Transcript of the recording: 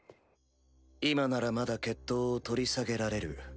今ならまだ決闘を取り下げられる。